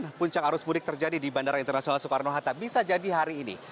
namun puncak arus mudik terjadi di bandara internasional soekarno hatta bisa jadi hari ini